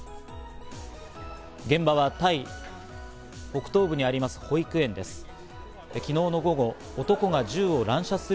現場はタイ北東部にあります保育園です。